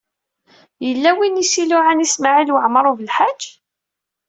Yella win i s-iluɛan i Smawil Waɛmaṛ U Belḥaǧ.